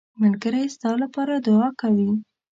ملګری ستا لپاره دعا کوي